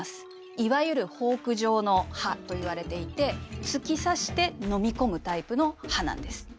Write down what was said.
いわゆるフォーク状の歯といわれていて突き刺して飲み込むタイプの歯なんです。